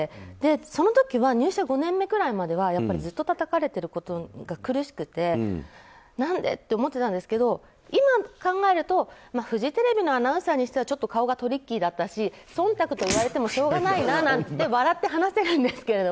その時は入社５年目くらいまではずっとたたかれていることが苦しくて何でって思ってたんですけど今考えるとフジテレビのアナウンサーにしてはちょっと顔がトリッキーだったし忖度と言われてもしょうがないなと笑って話せるんですけど